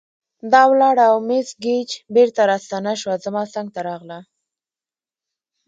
دا ولاړه او مس ګېج بیرته راستنه شوه، زما څنګ ته راغله.